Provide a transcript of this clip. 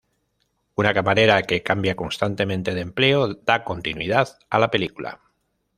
Una camarera que cambia constantemente de empleo da continuidad a la película.